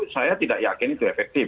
saya tidak yakin itu efektif